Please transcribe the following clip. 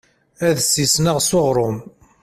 Ad sisneɣ s uɣṛum.